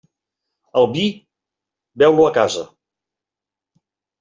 El vi, beu-lo a casa.